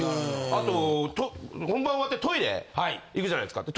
あと本番終わってトイレ行くじゃないですか。